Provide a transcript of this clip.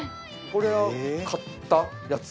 これは買ったやつ？